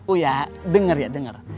uya denger ya denger